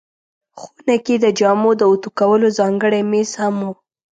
خونه کې د جامو د اوتو کولو ځانګړی مېز هم و.